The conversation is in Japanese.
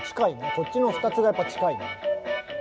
こっちの２つがやっぱ近いね。